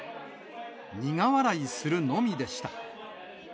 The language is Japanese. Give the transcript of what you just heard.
苦笑いするのみでした。